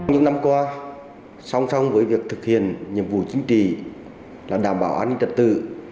những năm qua song song với việc thực hiện nhiệm vụ chính trị là đảm bảo an ninh trật tự